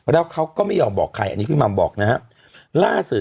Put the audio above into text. แล้วเขาก็ไม่ยอมบอกใครอันนี้พี่มัมบอกนะฮะล่าสุด